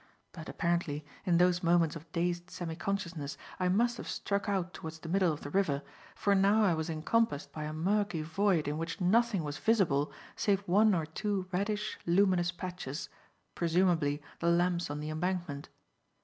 But, apparently, in those moments of dazed semi consciousness, I must have struck out towards the middle of the river, for now I was encompassed by a murky void in which nothing was visible save one or two reddish, luminous patches presumably, the lamps on the Embankment.